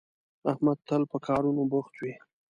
احمد تل په کارونو بوخت وي